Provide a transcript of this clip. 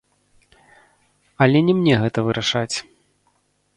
Але не мне гэта вырашаць.